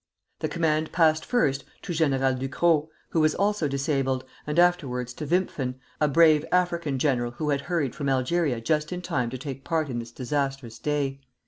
The command passed first to General Ducrot, who was also disabled, and afterwards to Wimpfen, a brave African general who had hurried from Algeria just in time to take part in this disastrous day.